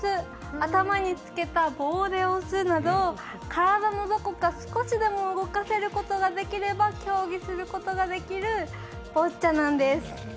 頭につけた棒で押すなど体のどこか少しでも動かせることができれば競技することができるボッチャなんです。